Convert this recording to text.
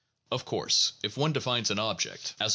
Of course, if one defines an object as always No.